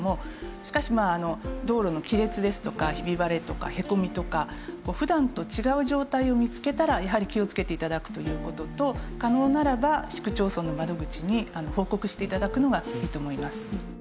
しかし道路の亀裂ですとかヒビ割れとかへこみとか普段と違う状態を見つけたらやはり気をつけて頂くという事と可能ならば市区町村の窓口に報告して頂くのがいいと思います。